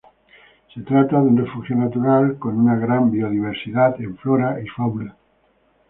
Se trata de un refugio natural con una gran biodiversidad, en flora y fauna.